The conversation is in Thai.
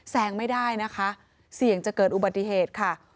ไม่ได้นะคะเสี่ยงจะเกิดอุบัติเหตุค่ะ